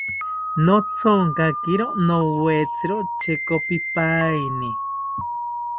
Nothonkakiro nowetziro chekopipaeni